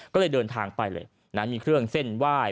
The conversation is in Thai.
ก็เลยเดินทางไปเลยนะมีเครื่องเส้นไหว้